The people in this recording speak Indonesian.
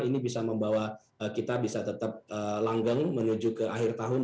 ini bisa membawa kita bisa tetap langgeng menuju ke akhir tahun